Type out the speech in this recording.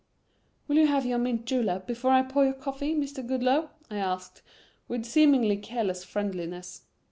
"Will you have your mint julep before I pour your coffee, Mr. Goodloe?" I asked, with seemingly careless friendliness.